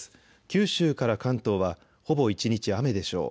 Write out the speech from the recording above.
九州から関東はほぼ一日、雨でしょう。